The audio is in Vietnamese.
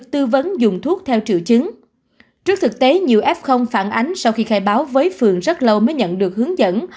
trước thực tế nhiều f phản ánh sau khi khai báo với phường rất lâu mới nhận được hướng dẫn